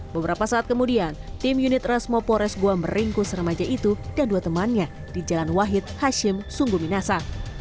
beberapa saat kemudian tim unit rasmo pores goa meringkus remaja itu dan dua temannya di jalan wahid hashim sungguh minasa